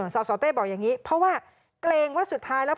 สสเต้บอกอย่างนี้เพราะว่าเกรงว่าสุดท้ายแล้ว